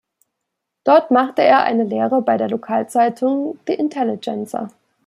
Dort machte er eine Lehre bei der Lokalzeitung "The Intelligencer".